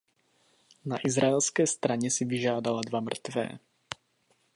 Na izraelské straně si vyžádala dva mrtvé.